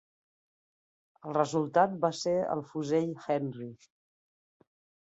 El resultat va ser el fusell Henry.